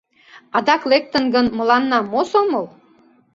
Адак лектын гын, мыланна мо сомыл?